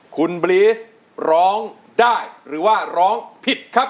คุณบรีสร้องได้หรือว่าร้องผิดครับ